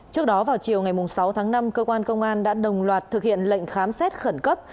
trước đó vào chiều ngày sáu tháng năm cơ quan công an đã đồng loạt thực hiện lệnh khám xét khẩn cấp